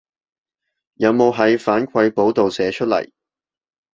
有冇喺反饋簿度寫出來